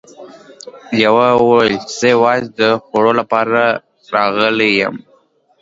لیوه وویل چې زه یوازې د خوړو لپاره راغلی وم.